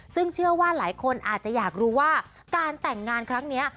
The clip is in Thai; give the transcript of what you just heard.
ซึ่งเชื่อว่าหลายคนอาจจะอยากรู้ว่าการแต่งงานครั้งนี้